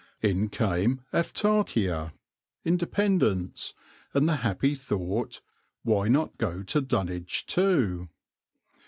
In came [Greek: autarkeia], independence, and the happy thought, Why not go to Dunwich too?